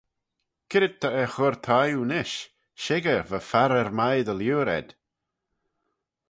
C'red ta er chur thie oo nish? Shickyr, va farrer mie dy liooar ayd!